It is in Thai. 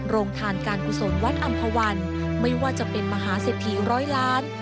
โรงทานการกุศลวัดอำภาวันไม่ว่าจะเป็นมหาเศรษฐีร้อยล้าน